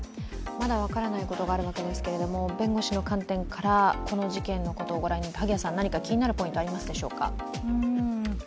まだ分からないことがあるわけですけれども弁護士の観点からこの事件のことをご覧になって気になるポイントはありますでしょうか？